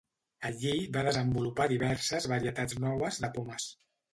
Allí va desenvolupar diverses varietats noves de pomes.